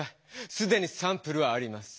すでにサンプルはあります。